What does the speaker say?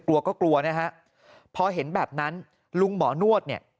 กลัวก็กลัวนะฮะพอเห็นแบบนั้นลุงหมอนวดเนี่ย